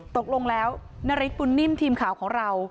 ตกลงแล้วนาริสปุ่นนิ่มทีมข่าวของเรา